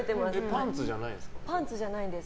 パンツじゃないです。